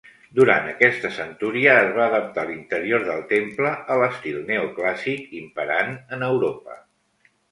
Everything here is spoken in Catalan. Durant aquesta centúria es va adaptar l'interior del temple a l'estil neoclàssic imperant en Europa.